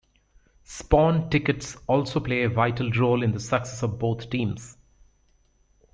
Spawn tickets also play a vital role in the success of both teams.